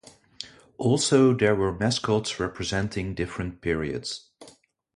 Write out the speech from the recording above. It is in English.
Also there were mascots representing different periods.